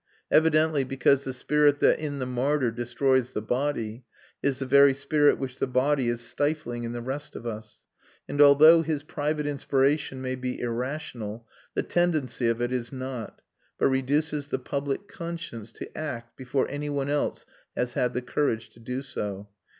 Evidently because the spirit that in the martyr destroys the body is the very spirit which the body is stifling in the rest of us; and although his private inspiration may be irrational, the tendency of it is not, but reduces the public conscience to act before any one else has had the courage to do so.